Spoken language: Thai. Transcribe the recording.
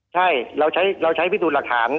ใช่เราใช้พิสูจน์หลักฐาน